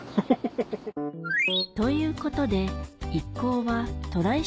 ということで一行はトライ